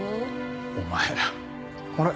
お前ら。あれ？